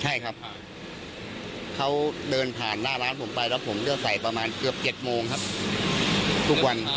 ใช่ครับเขาเดินผ่านหน้าร้านผมไปแล้วผมเลือกใส่ประมาณเกือบ๗โมงครับทุกวัน